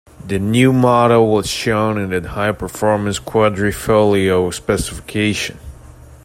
The new model was shown in the high-performance "Quadrifoglio" specification.